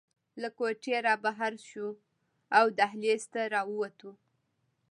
له کوټې رابهر شوو او دهلېز ته راووتو.